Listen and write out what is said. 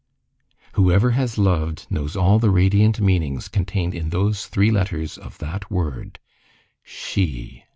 Whoever has loved knows all the radiant meanings contained in those three letters of that word: She.